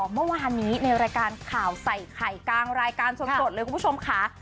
เมื่อวานนี้ในรายการข่าวใส่ไข่กลางรายการสดเลยคุณผู้ชมค่ะ